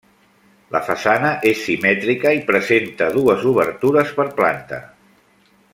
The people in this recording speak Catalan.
La façana és simètrica i presenta dues obertures per planta.